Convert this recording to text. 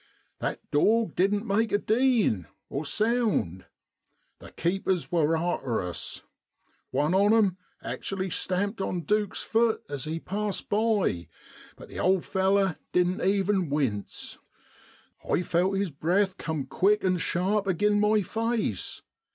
That dawg didn't make a deen. The keepers wor arter us. One on 'em actu ally stamped on Duke's fut as he passed by, but the old feller didn't even wince; I felt hi$ breath cum quick an' sharp agin my face.